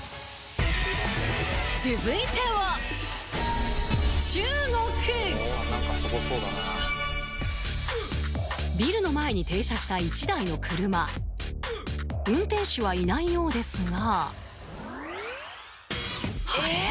続いてはビルの前に停車した１台の車運転手はいないようですがあれ？